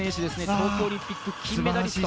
東京オリンピック金メダリスト。